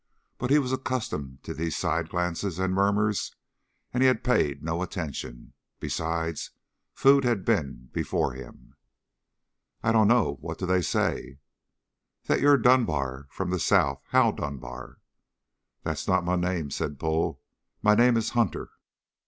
But he was accustomed to these side glances and murmurs, and he had paid no attention. Besides, food had been before him. "I don't know. What do they say?" "That you're Dunbar from the South Hal Dunbar." "That's not my name," said Bull. "My name is Hunter."